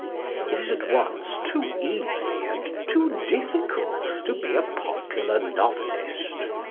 It is at once too easy and too difficult to be a popular novelist.